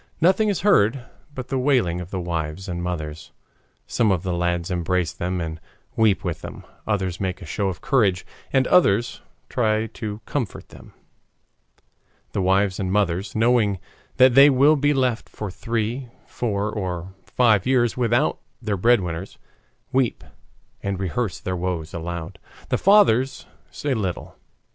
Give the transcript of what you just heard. Nothing is heard but the wailing of the wives and mothers. Some of the lads embrace them and weep with them, others make a show of courage, and others try to comfort them. The wives and mothers, knowing that they will be left for three, four, or five years without their breadwinners, weep and rehearse their woes aloud. The fathers say little.